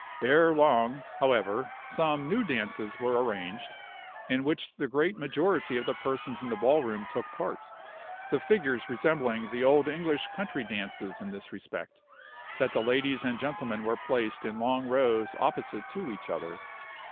Ere long, however, some new dances were arranged, in which the great majority of the persons in the ballroom took part; the figures resembling the old English country dances in this respect, that the ladies and gentlemen were placed in long rows opposite to each other.